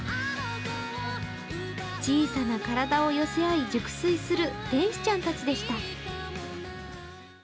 小さな体を寄せ合い熟睡する天使ちゃんでした。